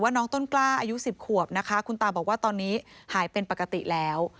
น้องต้นกล้าอายุ๑๐ขวบนะคะคุณตาบอกว่าตอนนี้หายเป็นปกติแล้ว